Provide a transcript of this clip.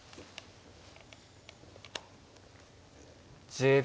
１０秒。